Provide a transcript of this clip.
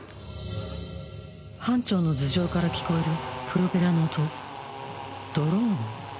班長の頭上から聞こえるプロペラの音ドローン？